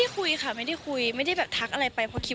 เออกดไลค์เพื่อนสักหน่อยวันนี้